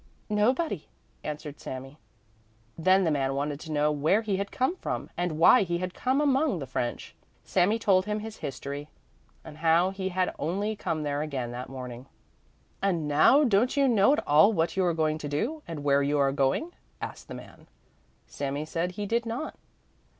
"Nobody," answered Sami. Then the man wanted to know where he had come from and why he had come among the French. Sami told him his history, and how he had only come there again that morning. "And now don't you know at all what you are going to do, and where you are going?" asked the man. Sami said he did not.